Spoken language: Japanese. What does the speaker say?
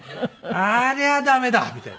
「あれは駄目だ」みたいな。